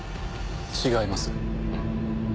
違います。